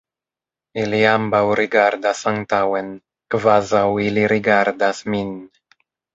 Ili ambaŭ rigardas antaŭen, kvazaŭ ili rigardas min.